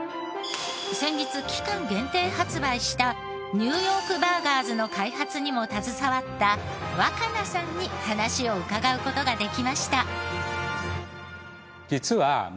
先日期間限定発売したＮ．Ｙ．バーガーズの開発にも携わった若菜さんに話を伺う事ができました。